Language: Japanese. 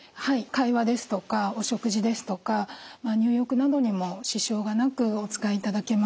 会話ですとかお食事ですとか入浴などにも支障がなくお使いいただけます。